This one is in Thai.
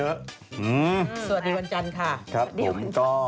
สวัสดีวันจนค่ะสวัสดีวันจนค่ะครับผมก็